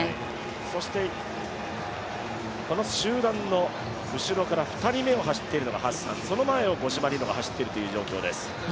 そしてこの集団の後ろから２人目を走っているのがハッサン、その前を五島莉乃が走っているという状況です。